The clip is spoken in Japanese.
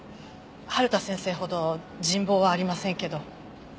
春田先生ほど人望はありませんけど。